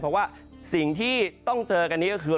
เพราะว่าสิ่งที่ต้องเจอกันนี้ก็คือ